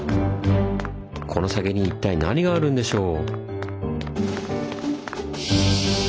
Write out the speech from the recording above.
この先に一体何があるんでしょう？